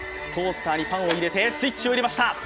トースターにパンを入れてスイッチを入れました。